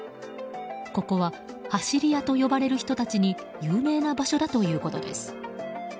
ここは走り屋と呼ばれる人たちに有名な場所だということです。